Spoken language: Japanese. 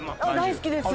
大好きです。